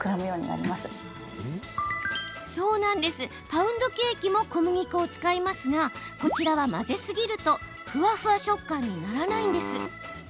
パウンドケーキも小麦粉を使いますがこちらは混ぜすぎるとふわふわ食感になりません。